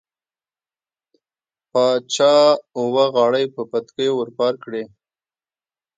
باچا اوه غاړۍ په بتکيو ور بار کړې.